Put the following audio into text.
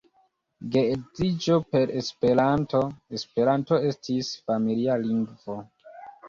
Geedziĝo per Esperanto; Esperanto estis familia lingvo.